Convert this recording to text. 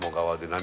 何？